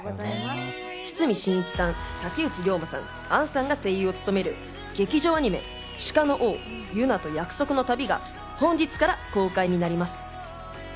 堤真一さん、竹内涼真さん、杏さんが声優を務める劇場アニメ『鹿の王ユナと約束の旅』が本日から公開になります。